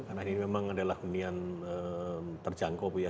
karena ini memang adalah hunian terjangkau bu ya